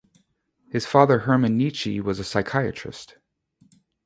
His father Hermann Nitsche was a psychiatrist.